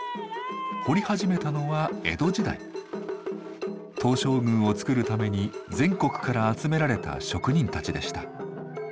彫り始めたのは江戸時代東照宮を造るために全国から集められた職人たちでした。